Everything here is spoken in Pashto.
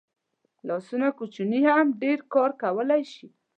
لاسونه کوچني هم ډېر کار کولی شي